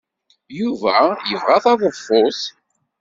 Yuba yebɣa taḍeffut.